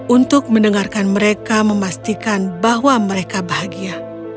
untuk mendengarkan mereka memastikan bahwa mereka bahagia